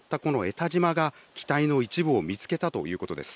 たじまが、機体の一部を見つけたということです。